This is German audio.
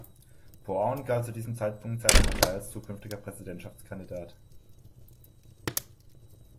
Brown galt zu diesem Zeitpunkt in seiner Partei als zukünftiger Präsidentschaftskandidat.